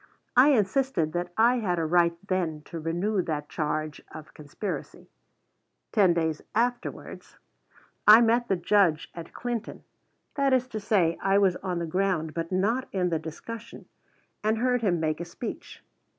I insisted that I had a right then to renew that charge of conspiracy. Ten days afterwards I met the Judge at Clinton, that is to say, I was on the ground, but not in the discussion, and heard him make a speech.